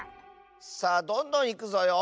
さあどんどんいくぞよ。